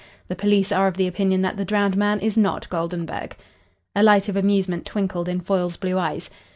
The police are of the opinion that the drowned man is not Goldenburg." A light of amusement twinkled in Foyle's blue eyes.